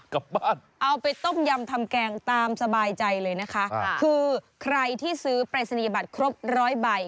กลับบ้านเอาไปต้มยำทำแกงตามสบายใจเลยนะคะคือใครที่ซื้อปรายศนียบัตรครบร้อยใบ